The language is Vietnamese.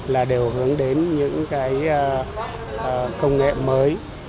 là đều hướng đến những công nghệ mới